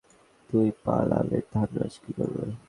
তুই পালালে, থানরাজ কী করবে?